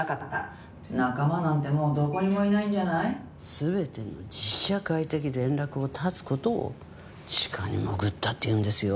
全ての実社会的連絡を絶つ事を地下に潜ったっていうんですよ。